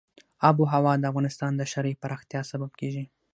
آب وهوا د افغانستان د ښاري پراختیا سبب کېږي.